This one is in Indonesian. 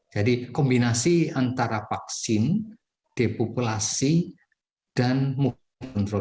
jadi kombinasi antara vaksin depopulasi dan kontrol